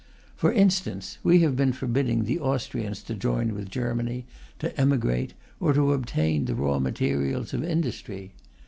For instance, we have been forbidding the Austrians to join with Germany, to emigrate, or to obtain the raw materials of industry.